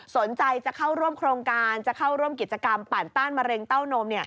สนใจจะเข้าร่วมโครงการจะเข้าร่วมกิจกรรมปั่นต้านมะเร็งเต้านม